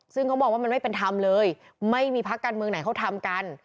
ซึ่งเขามองว่ามันไม่เป็นธรรมเลยไม่มีพักการเมืองไหนเขาทำกัน